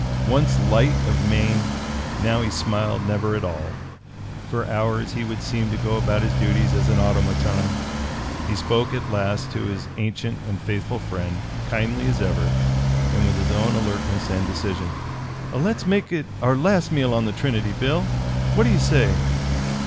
Once light of mien, now he smiled never at all. For hours he would seem to go about his duties as an automaton. He spoke at last to his ancient and faithful friend, kindly as ever, and with his own alertness and decision. "Let's make it our last meal on the Trinity, Bill. What do you say?"